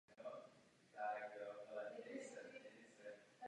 Po absolvování školy pracovala jako samostatná architektka.